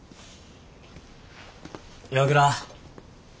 岩倉。